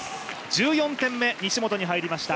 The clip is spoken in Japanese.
１４点目、西本に入りました。